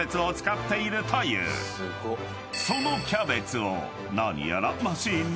［そのキャベツを何やら］